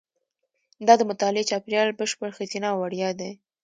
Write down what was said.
دا د مطالعې چاپېریال بشپړ ښځینه او وړیا دی.